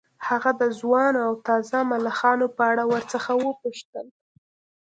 هغه د ځوانو او تازه ملخانو په اړه ورڅخه وپوښتل